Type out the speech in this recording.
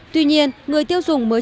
tuy nhiên người tiêu dùng mới